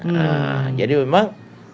nah jadi memang